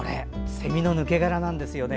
せみの抜け殻なんですよね。